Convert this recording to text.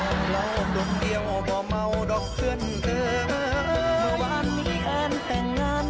โอ้โฮก็ถูกแล้วเมาออกขาวไหม